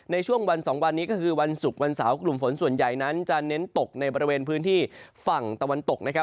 ในช่วงวัน๒วันนี้ก็คือวันศุกร์วันเสาร์กลุ่มฝนส่วนใหญ่นั้นจะเน้นตกในบริเวณพื้นที่ฝั่งตะวันตกนะครับ